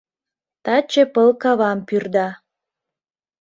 Таче пыл кавам пӱрда.